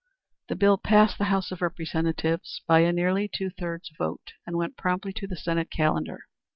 The bill passed the House of Representatives by a nearly two thirds vote and went promptly to the Senate calendar.